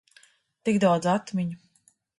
Tik daudz atmiņu.